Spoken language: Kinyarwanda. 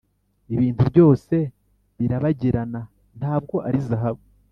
ibintu byose birabagirana ntabwo ari zahabu